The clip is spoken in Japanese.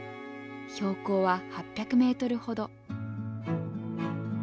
標高は８００メートルほど。